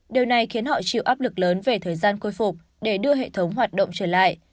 điều này khiến họ chịu áp lực lớn về thời gian khôi phục để đưa hệ thống hoạt động trở lại